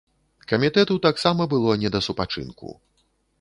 Камітэту таксама было не да супачынку.